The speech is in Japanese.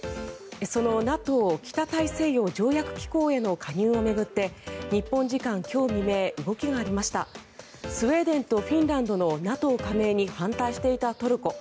そのＮＡＴＯ・北大西洋条約機構への加入を巡って日本時間今日未明動きがありましたスウェーデンとフィンランドのＮＡＴＯ加盟に反対していたトルコ。